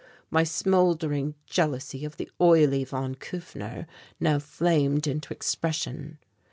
My smouldering jealousy of the oily von Kufner now flamed into expression.